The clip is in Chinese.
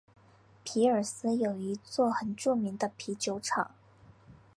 皮尔斯有一座很著名的啤酒厂。